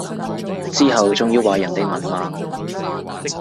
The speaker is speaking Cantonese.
之後仲要話人文盲